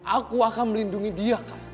aku akan melindungi dia